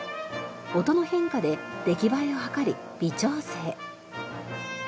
音の変化で出来栄えを測り微調整。